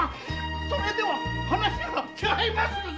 それでは話が違いますぞ！